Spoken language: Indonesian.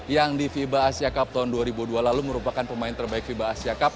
yang di fiba asia cup tahun dua ribu dua lalu merupakan pemain terbaik fiba asia cup